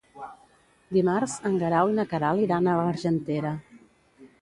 Dimarts en Guerau i na Queralt iran a l'Argentera.